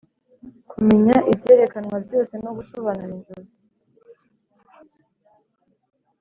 kumenya ibyerekanwa byose no gusobanura inzozi